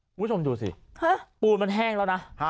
คุณผู้ชมดูสิปูนมันแห้งแล้วนะ